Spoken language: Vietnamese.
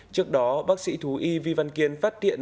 trước đó bác sĩ thú y vi văn kiên phát hiện